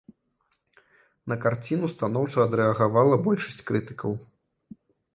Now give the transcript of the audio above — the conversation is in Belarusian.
На карціну станоўча адрэагавала большасць крытыкаў.